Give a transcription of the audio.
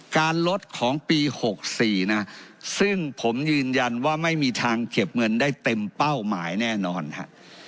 การลดของปี๖๔นะซึ่งผมยืนยันว่าไม่มีทางเก็บเงินได้เต็มเป้าหมายแน่นอนฮะ